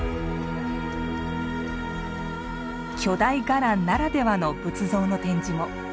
巨大伽藍ならではの仏像の展示も。